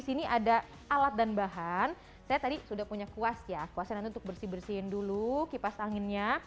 sini ada alat dan bahan saya tadi sudah punya kuas ya kuasain anda untuk bersih bersihin dulu kipas anginnya